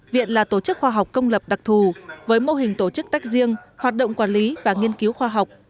viện là tổ chức khoa học công lập đặc thù với mô hình tổ chức tách riêng hoạt động quản lý và nghiên cứu khoa học